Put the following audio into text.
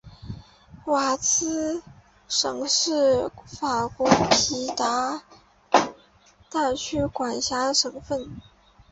瓦兹省是法国皮卡迪大区所辖的省份。